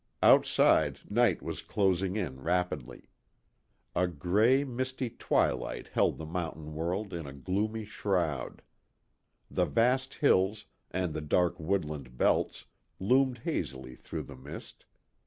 Outside, night was closing in rapidly. A gray, misty twilight held the mountain world in a gloomy shroud. The vast hills, and the dark woodland belts, loomed hazily through the mist.